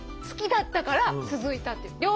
好きだったから続いたっていう。